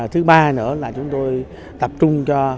thứ ba nữa là chúng tôi tập trung